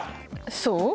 そう？